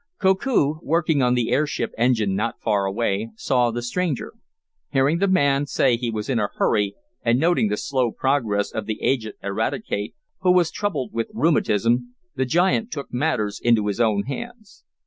Koku, working on the airship engine not far away, saw the stranger. Hearing the man say he was in a hurry and noting the slow progress of the aged Eradicate, who was troubled with rheumatism, the giant took matters into his own hands.